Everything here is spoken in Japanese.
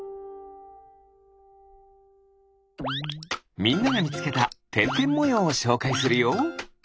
みんながみつけたてんてんもようをしょうかいするよ。